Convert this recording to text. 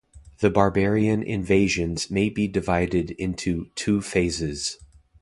The Barbarian Invasions may be divided into two phases.